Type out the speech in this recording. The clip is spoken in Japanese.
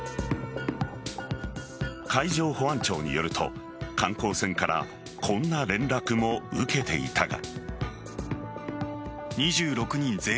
海上保安庁によると観光船からこんな連絡も受けていたが。